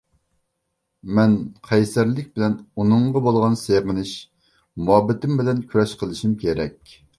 مەن قەيسەرلىك بىلەن ئۇنىڭغا بولغان سېغىنىش، مۇھەببىتىم بىلەن كۈرەش قىلىشىم كېرەك.